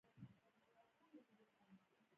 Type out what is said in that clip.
د کراچۍ بندر د افغان سوداګرو لاره ده